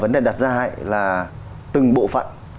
thật ra là từng bộ phận